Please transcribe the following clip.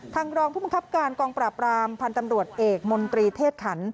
รองผู้บังคับการกองปราบรามพันธ์ตำรวจเอกมนตรีเทศขัน